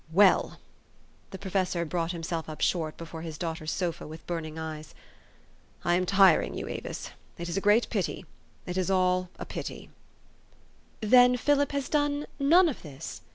Well" the professor brought himself up short before his daughter's sofa with burning eyes " I am tiring you, Avis. It is a great pity : it is all a pit}^." "Then Philip has done none of this?"